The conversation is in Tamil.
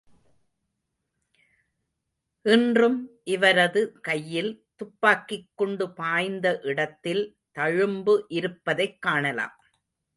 இன்றும் இவரது கையில் துப்பாக்கிக் குண்டு பாய்ந்த இடத்தில் தழும்பு இருப்பதைக் காணலாம்.